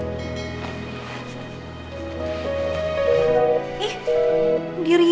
kok diangkat sih